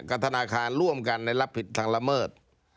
กับธนาคารร่วมกันในรับผิดทางละเมิด